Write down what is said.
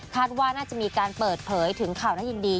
ว่าน่าจะมีการเปิดเผยถึงข่าวน่ายินดี